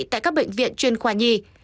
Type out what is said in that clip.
tại các bệnh viện chuyên khoa nhi